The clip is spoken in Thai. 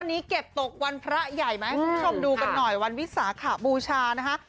วันนี้เก็บตกวันพระใหญ่หมาไปชมดูกันหน่อยวันวิสาขหาบูชานะคะ